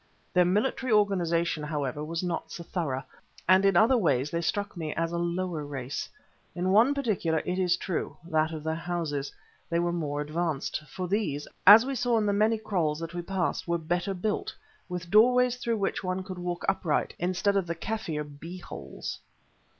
Their military organisation, however, was not so thorough, and in other ways they struck me as a lower race. In one particular, it is true, that of their houses, they were more advanced, for these, as we saw in the many kraals that we passed, were better built, with doorways through which one could walk upright, instead of the Kaffir bee holes.